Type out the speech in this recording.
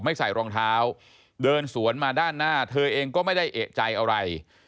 ใส่รองเท้าเดินสวนมาด้านหน้าเธอเองก็ไม่ได้เอกใจอะไร